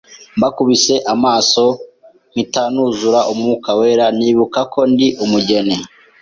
mbakubise amaso mpita nuzura Umwuka wera, nibuka ko ndi umugeni